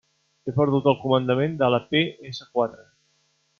He perdut el comandament de la pe essa quatre.